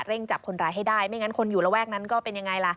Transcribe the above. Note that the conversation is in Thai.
จับคนร้ายให้ได้ไม่งั้นคนอยู่ระแวกนั้นก็เป็นยังไงล่ะ